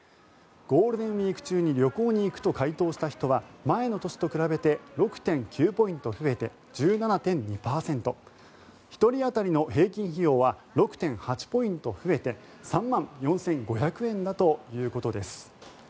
ゴールデンウィーク中に旅行に行くと回答した人は前の年と比べて６．９ポイント増えて１７．２％１人当たりの平均費用は６．８ポイント増えて３万４５００円だということです。